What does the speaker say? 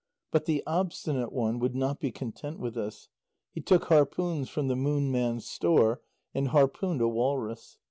But the Obstinate One would not be content with this; he took harpoons from the Moon Man's store, and harpooned a walrus.